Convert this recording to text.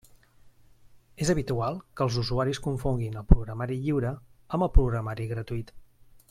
És habitual que els usuaris confonguin el programari lliure amb el programari gratuït.